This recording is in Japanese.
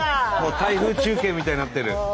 台風中継みたいになってる。